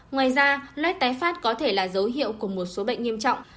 ngoài ra led tái phát có thể là dấu hiệu của một số bệnh nghiêm trọng